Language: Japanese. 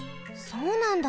そうなんだ。